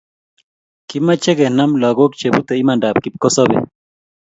kimache kenam lakok che bute imandat kipkosabe